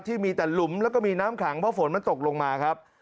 ที่มีแต่หลุมแล้วก็มีน้ำขังเพราะฝนมันตกลงมาครับ